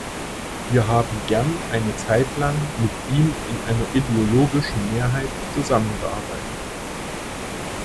Wir haben gern eine Zeit lang mit ihm in einer ideologischen Mehrheit zusammengearbeitet.